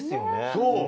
そう！